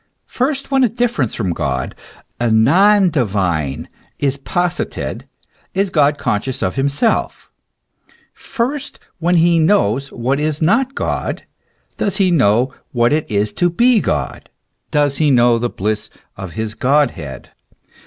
First when a difference from God, a non divine is posited, is God conscious of himself; first when he knows what is not God, does he know what it is to be God, does he know the bliss of his Godhead.